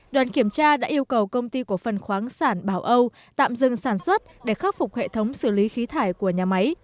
đoàn kiểm tra đã yêu cầu công ty cổ phần khoáng sản bảo âu tạm dừng sản xuất để khắc phục hệ thống xử lý khí thải của nhà máy